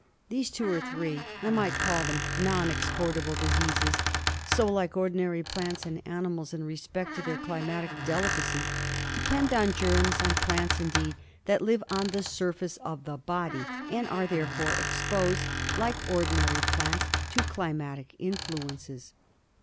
These two or three — I might call them non exportable diseases — so like ordinary plants and animals in respect to their climatic delicacy, depend on germs, on plants, indeed, that live on the surface of the body and are therefore exposed like ordinary plants to climatic in fluences.